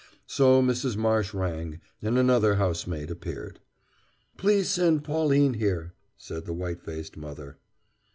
So Mrs. Marsh rang: and another housemaid appeared. "Please send Pauline here," said the white faced mother.